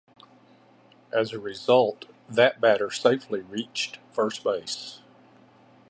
As a result, that batter safely reached first base.